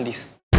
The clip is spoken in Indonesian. dia mau ke mana